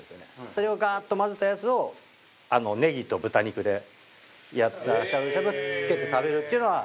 それをガーッと混ぜたやつをねぎと豚肉でやったしゃぶしゃぶをつけて食べるっていうのは。